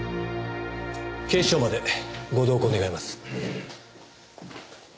警視庁までご同行願います。